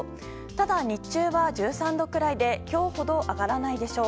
ただ、日中は１３度くらいで今日ほど上がらないでしょう。